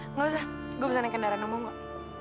enggak usah gue pesan kendaraan nomor